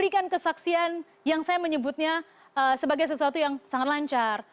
memberikan kesaksian yang saya menyebutnya sebagai sesuatu yang sangat lancar